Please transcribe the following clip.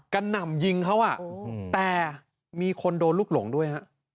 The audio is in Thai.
หน่ำยิงเขาแต่มีคนโดนลูกหลงด้วยฮะ